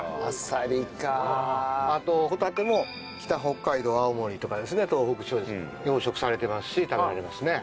あとホタテも北北海道青森とかですね東北地方で養殖されてますし食べられますね。